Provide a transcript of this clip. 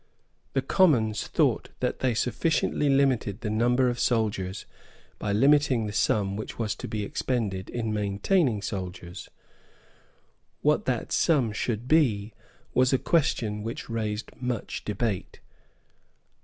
The Commons thought that they sufficiently limited the number of soldiers by limiting the sum which was to be expended in maintaining soldiers. What that sum should be was a question which raised much debate.